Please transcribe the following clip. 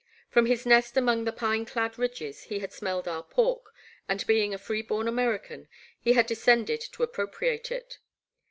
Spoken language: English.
From his nest among the pine dad ridges, he had smelled our pork, and being a free bom American, he had descended to appropriate it.